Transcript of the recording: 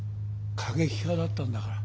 過激派だったんだから。